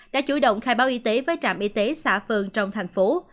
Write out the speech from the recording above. đã chủ động khai báo y tế với trạm y tế xã phường trong thành phố